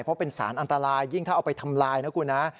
เพราะเป็นสารอันตรายยิ่งถ้าเอาไปทำลายนะคุณนะ